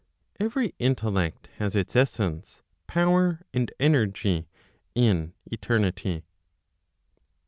Every intellect has its essence, power and energy in eternity.